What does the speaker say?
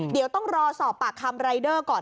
เดี๋ยวต้องรอสอบปากคำรายเดอร์ก่อน